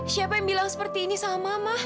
siapa yang bilang seperti ini sama mama